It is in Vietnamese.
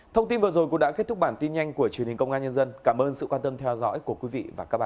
thông tin vừa rồi cũng đã kết thúc bản tin nhanh của truyền hình công an nhân dân cảm ơn sự quan tâm theo dõi của quý vị và các bạn